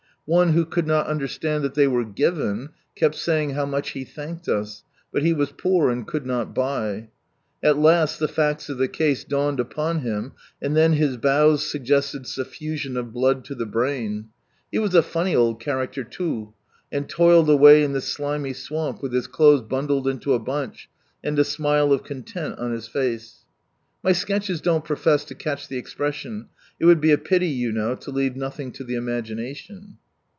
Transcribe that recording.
One who could not understand that they were giivn, kept saying how much he thanked us, but he was poor and could not buy : at last the facts of the case dawned upon him, „.,___. and then his bows suggested suffusion of blood to C'^' A, / Y'^'J the brain. He was a funny old character too, and y t ~■^\~\ toiled away in the slimy swamp with his clothes bundled into a bunch, and a smile of content on his face. (My sketches don't profess to catch the expres sion, it would be a pity you know to leave nothing to the imagination.)